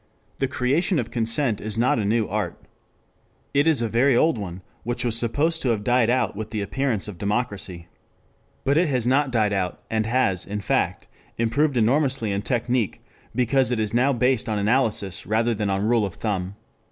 The creation of consent is not a new art. It is a very old one which was supposed to have died out with the appearance of democracy. But it has not died out. It has, in fact, improved enormously in technic, because it is now based on analysis rather than on rule of thumb.